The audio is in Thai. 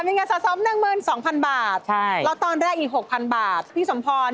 มีเงินสะสม๑๒๐๐๐บาทแล้วตอนแรกอีก๖๐๐๐บาทพี่สมพร